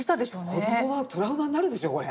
子どもはトラウマになるでしょこれ。